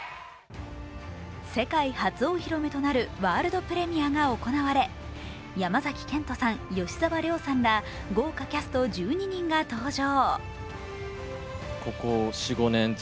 世界初お披露目となるワールドプレミアが行われ山崎賢人さん、吉沢亮さんら豪華キャスト１２人が登場。